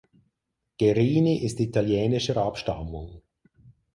Guerini ist italienischer Abstammung.